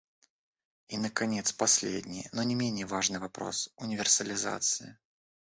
И, наконец, последний, но не менее важный вопрос универсализации.